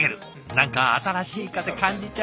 何か新しい風感じちゃう。